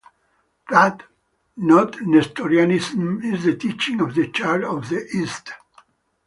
That, not Nestorianism, is the teaching of the Church of the East.